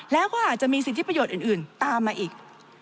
แล้วก็อาจจะมีสิทธิประโยชน์อื่นตามมาอีก